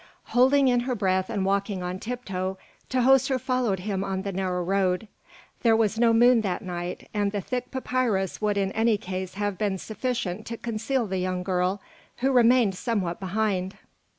Holding in her breath and walking on tiptoe, Tahoser followed him on the narrow road. There was no moon that night, and the thick papyrus would in any case have been sufficient to conceal the young girl, who remained somewhat behind.